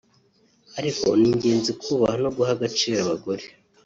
ariko ni ingenzi kubaha no guha agaciro abagore